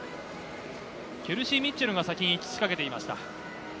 ケルシー・ミッチェルが先に仕掛けていました。